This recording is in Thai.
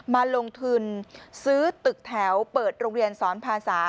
มาลงทุนซื้อตึกแถวเปิดโรงเรียนสอนภาษา